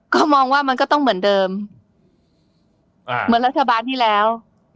ก็มองว่ามันก็ต้องเหมือนเดิมอ่าเหมือนรัฐบาลที่แล้ว